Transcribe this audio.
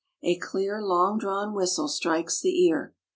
A clear long drawn whistle strikes the ear.